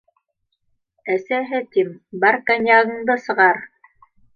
- Әсәһе, тим, бар коньягыңды сығар